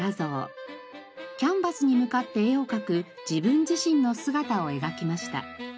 キャンバスに向かって絵を描く自分自身の姿を描きました。